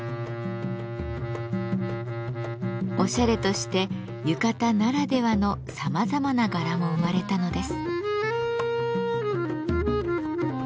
おしゃれとして浴衣ならではのさまざまな柄も生まれたのです。